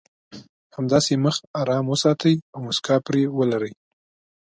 همداسې مخ ارام وساتئ او مسکا پرې ولرئ.